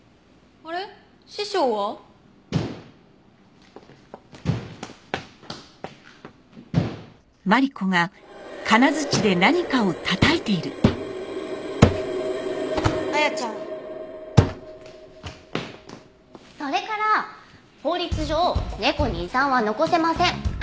それから法律上猫に遺産は残せません。